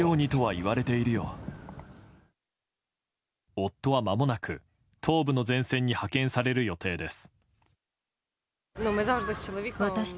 夫はまもなく東部の前線に派遣される予定です。